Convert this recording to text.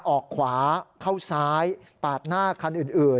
ออกขวาเข้าซ้ายปาดหน้าคันอื่น